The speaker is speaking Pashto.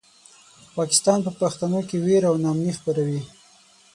پاکستان په پښتنو کې وېره او ناامني خپروي.